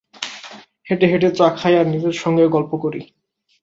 হেঁটে হেঁটে চা খাই, আর নিজের সঙ্গে গল্প করি।